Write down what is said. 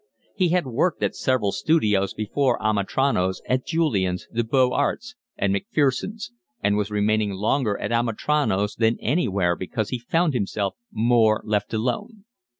He had worked at several studios before Amitrano's, at Julian's, the Beaux Arts, and MacPherson's, and was remaining longer at Amitrano's than anywhere because he found himself more left alone.